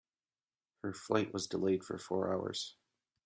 Her flight was delayed for four hours.